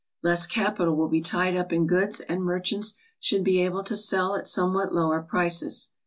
Less capital will be tied up in goods and merchants should be able to sell at somewhat lower prices.